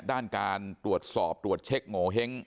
ด้านการตรวจสอบตรวจเช็คโงเห้ง